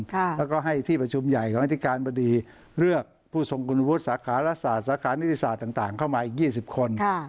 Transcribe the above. ค่ะแล้วก็ให้ที่ประชุมใหญ่ของนักศึกษาพอดีเลือกผู้ทรงคุณพุทธสาขารักษาสาขานิทธิศาสตร์ต่างต่างเข้ามาอีกยี่สิบคนค่ะ